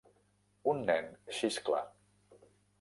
un nen xiscla.